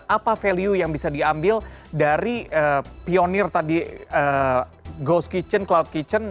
apa value yang bisa diambil dari pionir tadi ghost kitchen cloud kitchen